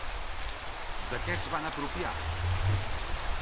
De què es van apropiar?